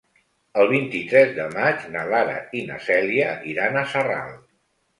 El vint-i-tres de maig na Lara i na Cèlia iran a Sarral.